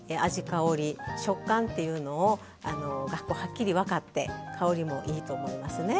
香り食感っていうのをがこうはっきり分かって香りもいいと思いますね。